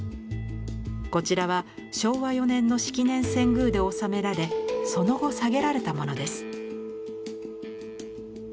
こちらは昭和４年の式年遷宮で納められその後下げられたものです。